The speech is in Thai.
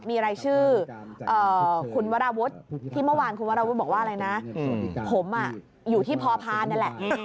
ก็มีไรชื่อพี่วันที่ว่าว่าอะไรนะผมอยู่ที่พอพานนี่แหละ